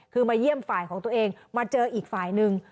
คือมาเยี่ยมฝ่ายของตัวเองมาเจออีกฝ่ายหนึ่ง